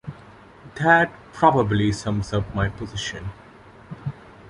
That probably sums up my position.